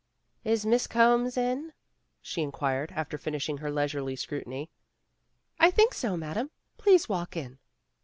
"Is Miss Combs in?" she inquired, after finishing her leisurely scrutiny. "I think so, Madame. Please walk in."